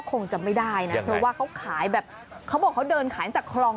คงจะไม่ได้นะเพราะว่าเขาขายแบบเขาบอกเขาเดินขายตั้งแต่คลอง